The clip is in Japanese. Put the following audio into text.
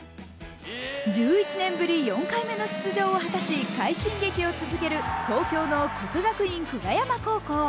１１年ぶり４回目の出場を果たし、快進撃を続ける東京の国学院久我山高校。